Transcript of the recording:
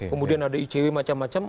kemudian ada icw macam macam